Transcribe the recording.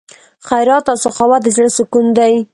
خیرات او سخاوت د زړه سکون دی.